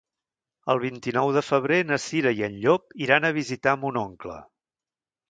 El vint-i-nou de febrer na Cira i en Llop iran a visitar mon oncle.